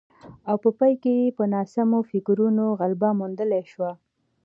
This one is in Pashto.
او په پای کې په ناسمو فکرونو غلبه موندلای شو